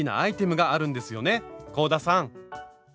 香田さん。